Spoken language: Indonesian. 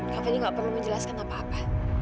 kak fadil nggak perlu menjelaskan apa apa